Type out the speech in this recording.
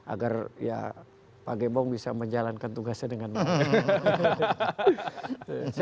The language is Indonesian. agar ya pak gembong bisa menjalankan tugasnya dengan baik